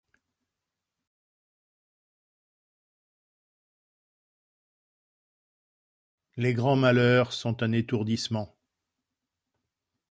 Les grands malheurs sont un étourdissement.